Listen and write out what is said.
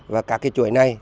và các cái chuỗi này